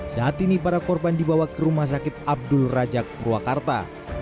saat ini para korban dibawa ke rumah sakit abdul rajak purwakarta